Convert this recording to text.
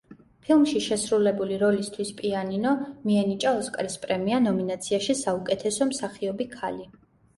ფილმში შესრულებული როლისთვის „პიანინო“, მიენიჭა ოსკარის პრემია ნომინაციაში საუკეთესო მსახიობი ქალი.